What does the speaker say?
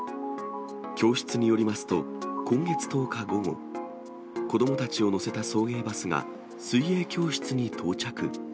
教室によりますと、今月１０日午後、子どもたちを乗せた送迎バスが、水泳教室に到着。